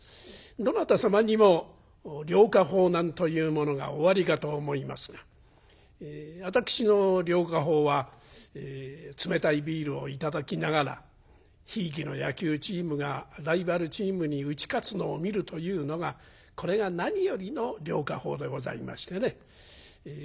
どなた様にも涼化法なんというものがおありかと思いますが私の涼化法は冷たいビールを頂きながらひいきの野球チームがライバルチームに打ち勝つのを見るというのがこれが何よりの涼化法でございましてね。